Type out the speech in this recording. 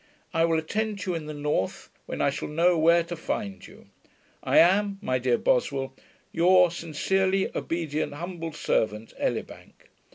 I will attend you in the north, when I shall know where to find you. I am, My dear Boswell, Your sincerely Obedient humble servant, ELIBANK.